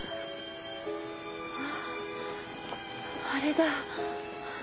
あああれだ。